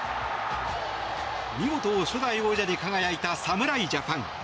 見事、初代王者に輝いた侍ジャパン。